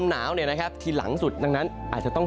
หนาวเนี่ยนะครับทีหลังสุดดังนั้นอาจจะต้อง